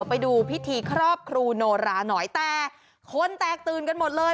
ไปดูพิธีครอบครูโนราหน่อยแต่คนแตกตื่นกันหมดเลย